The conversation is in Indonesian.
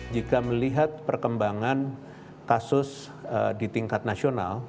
jika melihat perkembangan kasus di tingkat nasional